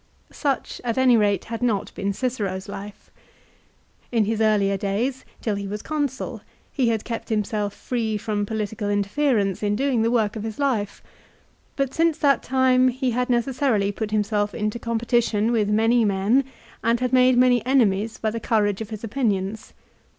Such at any rate had not been Cicero's life. In his earlier days, till he was Consul, he had kept himself free from political interference in doing the work of his life, but since that time he had necessarily put himself into competition with many men and had made many enemies by the courage of his opinions.